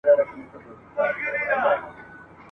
له دښتونو څخه ستون سو تش لاسونه ..